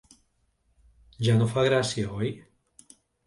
Ja no fa gràcia, oi?